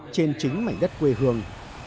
trên chính mảnh đất quê hương